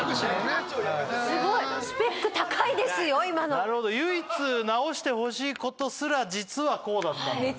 なるほど唯一直してほしいことすら実はこうだったんだ。